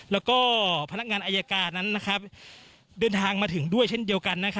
แล้วก็พนักงานอายการนั้นเดินทางมาถึงด้วยเช่นเดียวกัน